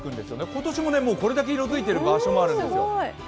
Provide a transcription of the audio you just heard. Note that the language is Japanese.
今年も、もうこれだけ色づいてる場所もあるんです。